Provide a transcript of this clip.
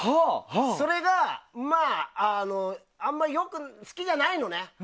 それがあまり好きじゃないのね。